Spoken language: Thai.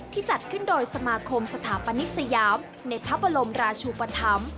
จัดขึ้นโดยสมาคมสถาปนิสยามในพระบรมราชุปธรรม